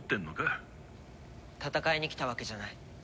戦いに来たわけじゃない。